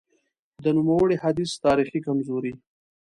د نوموړي حدیث تاریخي کمزوري :